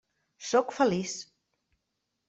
Sóc feliç.